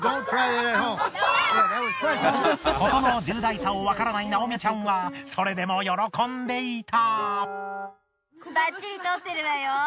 事の重大さをわからないナオミちゃんはそれでも喜んでいた。